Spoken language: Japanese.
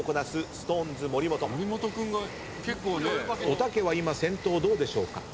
おたけは今先頭どうでしょうか？